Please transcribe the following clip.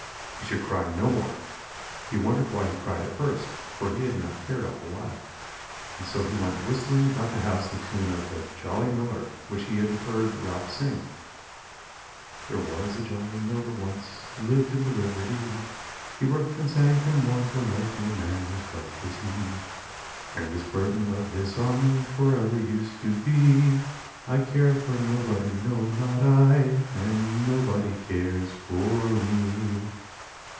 He should cry no more: he wondered why he cried at first, for he had not cared all the while; and so he went whistling about the house the tune of the 'Jolly Miller' which he had heard Ralph sing: "'There was a jolly miller once Lived on the River Dee; He work'd and sang from morn till night, No man so blithe as he. "'And this the burden of his song For ever used to be I care for nobody, no, not I, And nobody cares for me.'